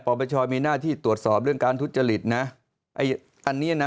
ประประชอมีหน้าที่ตรวจสอบเรื่องการทุจจฤทธิ์น่ะไออันนี้น่ะ